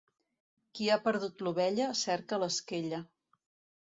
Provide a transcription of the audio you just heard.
Qui ha perdut l'ovella cerca l'esquella.